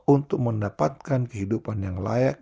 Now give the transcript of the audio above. untuk mendapatkan kehidupan yang layak